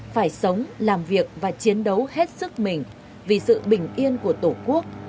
phải sống làm việc và chiến đấu hết sức mình vì sự bình yên của tổ quốc